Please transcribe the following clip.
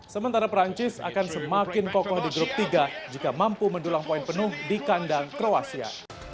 sementara perancis akan semakin kokoh di grup tiga jika mampu mendulang poin penuh di kandang kroasia